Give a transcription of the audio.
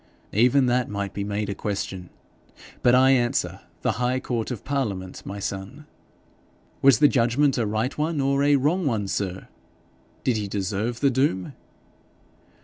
'Even that might be made a question; but I answer, the High Court of Parliament, my son.' 'Was the judgment a right one or a wrong, sir? Did he deserve the doom?'